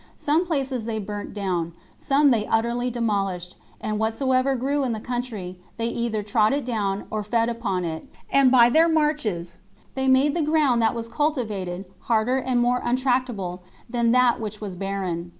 Some places they burnt down, some they utterly demolished, and whatsoever grew in the country, they either trod it down or fed upon it, and by their marches they made the ground that was cultivated harder and more untractable than that which was barren.